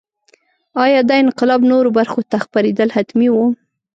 ایا دا انقلاب نورو برخو ته خپرېدل حتمي وو.